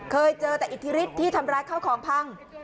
เคยเจอแต่อิทธิฤทธิที่ทำร้ายข้าวของพัง